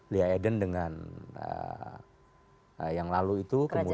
lia aident dengan yang lalu itu